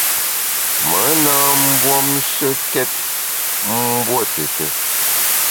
Me na mbuomshekét mbuo tùtù.